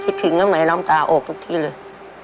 คิดถึงก็มีน้ำตาโอกทุกที่เลย